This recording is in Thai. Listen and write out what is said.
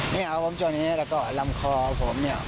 นี่ครับผมช่วงนี้แล้วก็ลำคอผมเนี่ย